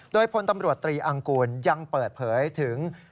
โดยพลตำรวจตรีอังกูลยังเปิดเผยถึง